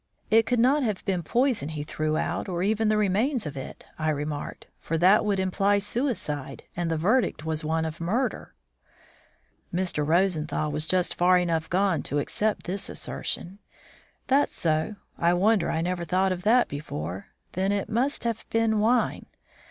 "It could not have been poison he threw out or even the remains of it," I remarked, "for that would imply suicide; and the verdict was one of murder." Mr. Rosenthal was just far enough gone to accept this assertion. "That's so. I wonder I never thought of that before. Then it must have been wine.